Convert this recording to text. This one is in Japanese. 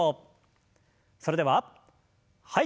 それでははい。